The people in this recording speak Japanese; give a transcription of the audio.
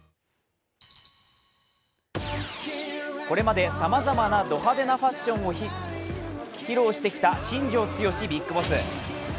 これまでさまざまなド派手なファッションを披露してきた新庄ビッグボス。